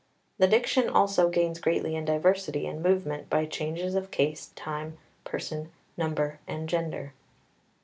The diction also gains greatly in diversity and movement by changes of case, time, person, number, and gender.